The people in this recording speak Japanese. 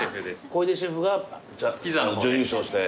小出シェフが準優勝して。